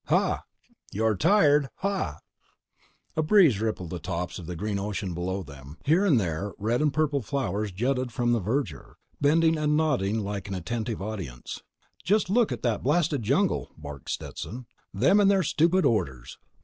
"You're tired! Hah!" A breeze rippled the tops of the green ocean below them. Here and there, red and purple flowers jutted from the verdure, bending and nodding like an attentive audience. "Just look at that blasted jungle!" barked Stetson. "Them and their stupid orders!"